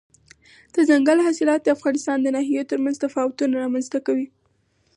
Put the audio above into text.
دځنګل حاصلات د افغانستان د ناحیو ترمنځ تفاوتونه رامنځ ته کوي.